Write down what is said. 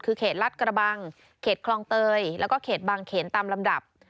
คือเขตรัฐกระบังเขตคลองเตยแล้วก็เขตบางเขนตามลำดับ